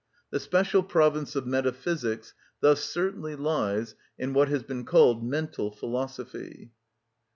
The special province of metaphysics thus certainly lies in what has been called mental philosophy.